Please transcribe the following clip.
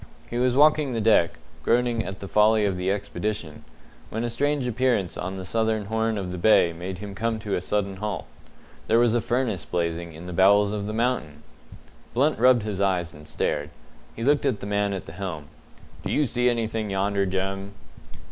He was walking the deck, groaning at the folly of the expedition, when a strange appearance on the southern horn of the bay made him come to a sudden halt. There was a furnace blazing in the bowels of the mountain! Blunt rubbed his eyes and stared. He looked at the man at the helm. "Do you see anything yonder, Jem?"